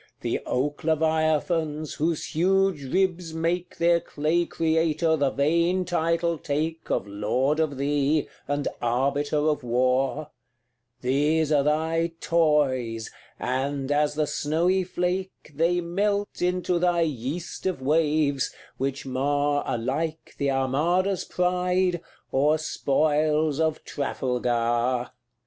The oak leviathans, whose huge ribs make Their clay creator the vain title take Of lord of thee, and arbiter of war; These are thy toys, and, as the snowy flake, They melt into thy yeast of waves, which mar Alike the Armada's pride, or spoils of Trafalgar.